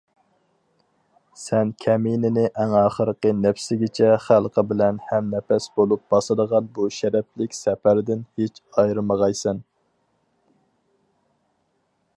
سەن كەمىنىنى ئەڭ ئاخىرقى نەپسىگىچە خەلقى بىلەن ھەمنەپەس بولۇپ باسىدىغان بۇ شەرەپلىك سەپەردىن ھېچ ئايرىمىغايسەن!